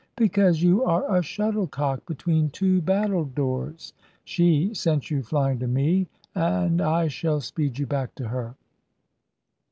"Because you are a shuttle cock between two battledores. She sent you flying to me; I shall speed you back to her."